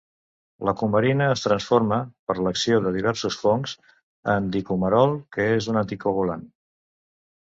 La cumarina es transforma, per l'acció de diversos fongs, en dicumarol que és un anticoagulant.